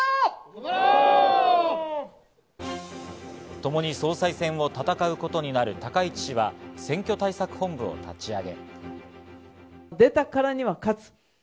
ともに総裁選を戦うことになる高市氏は選挙対策本部を立ち上げ。